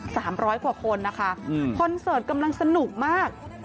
สามร้อยกว่าคนนะคะอืมคอนเสิร์ตกำลังสนุกมาก